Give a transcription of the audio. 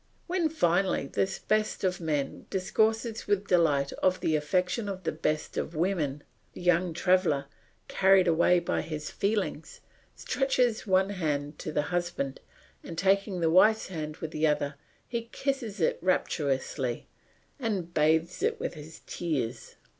When finally this best of men discourses with delight of the affection of the best of women, the young traveller, carried away by his feelings, stretches one hand to the husband, and taking the wife's hand with the other, he kisses it rapturously and bathes it with his tears.